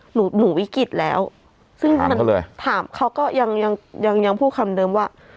หนูหนูวิกฤตแล้วถามเขาเลยถามเขาก็ยังยังยังยังพูดคำเดิมว่า